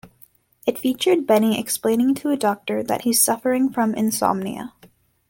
It featured Benny explaining to a doctor that he's suffering from insomnia.